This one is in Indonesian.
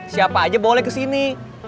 siapa aja boleh kesini